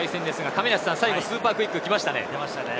亀梨さん、スーパークイック来ましたね。